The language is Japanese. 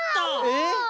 えっ。